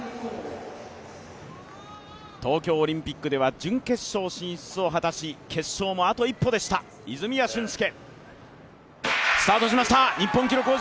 東京オリンピックでは準決勝進出を果たし、決勝もあと一歩でした、泉谷駿介。